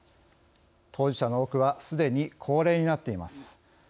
当事者の多くはすでに高齢になっています。